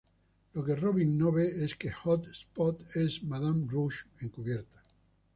Lo que Robin no ve es que Hot Spot es Madame Rouge encubierta.